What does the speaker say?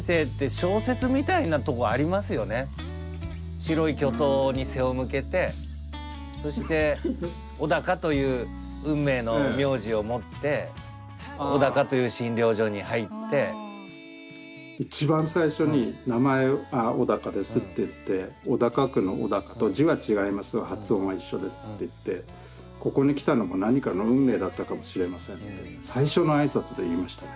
白い巨塔に背を向けてそして一番最初に「名前は小鷹です」って言って「小高区の小高と字は違いますが発音は一緒です」って言って「ここに来たのも何かの運命だったかもしれません」って最初の挨拶で言いましたね。